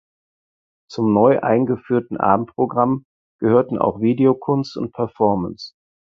Zum neu eingeführten Abendprogramm gehörten auch Videokunst und Performance.